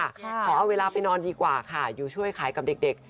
ขอเอาเวลาไปนอนดีกว่าค่ะอยู่ช่วยขายกับเด็ก